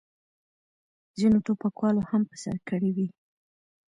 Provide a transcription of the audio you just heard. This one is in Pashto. ځینو ټوپکوالو هم په سر کړې وې.